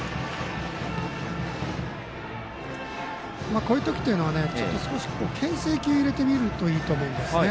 こういう時というのはちょっと少しけん制球入れてみたらいいと思うんですね。